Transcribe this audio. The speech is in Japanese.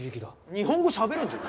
日本語しゃべれんじゃん。